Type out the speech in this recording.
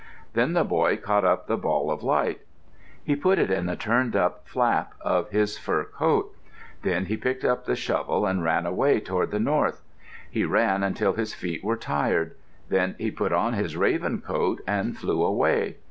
Then the boy caught up the ball of light. He put it in the turned up flap of his fur coat. Then he picked up the shovel and ran away toward the north. He ran until his feet were tired. Then he put on his raven coat and flew away.